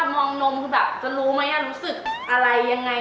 การมองนมคือแบบจะรู้มั้ยอะรู้สึกอะไรยังไง